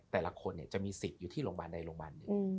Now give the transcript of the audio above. แต่ละคนจะมีสิทธิ์อยู่ที่โรงพยาบาลใดโรงพยาบาลหนึ่ง